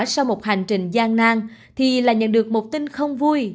sau một hành trình gian nang thì là nhận được một tin không vui